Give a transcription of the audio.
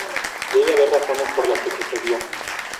Debe haber razones por las que sucedió".